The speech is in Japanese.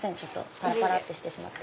パラパラってしてしまって。